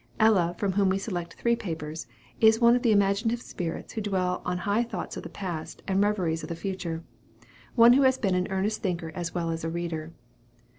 Ella, from whom we select three papers, is one of the imaginative spirits who dwell on high thoughts of the past, and reveries of the future one who has been an earnest thinker as well as a reader.